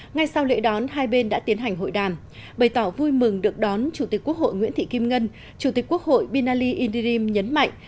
ngay sau lễ đón hai bên đã tiến hành hội đàm bày tỏ vui mừng được đón chủ tịch quốc hội nguyễn thị kim ngân chủ tịch quốc hội binali indirim nhấn mạnh